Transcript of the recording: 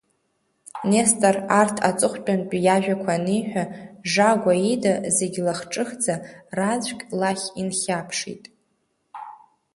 Нестор арҭ аҵыхәтәантәи иажәақәа аниҳәа, Жагәа ида, зегь лахҿыхӡа, раӡәк лахь инхьаԥшит.